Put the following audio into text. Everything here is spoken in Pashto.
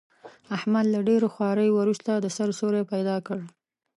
احمد له ډېرو خواریو ورسته، د سر سیوری پیدا کړ.